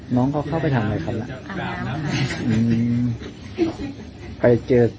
สิบสี่สิบนาทีได้นะสวัสดีครับ